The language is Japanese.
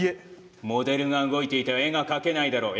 モデルが動いていては絵が描けないだろう。